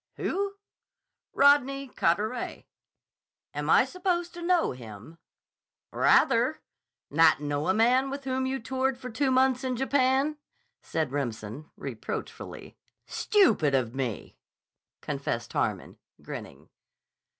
"Who?" "Rodney Carteret." "Am I supposed to know him?" "Rather. Not know a man with whom you toured for two months in Japan?" said Remsen reproachfully. "Stupid of me," confessed Harmon, grinning.